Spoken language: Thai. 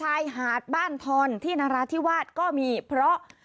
ชายหาดบ้านทอนที่นราธิวาสก็มีเพราะ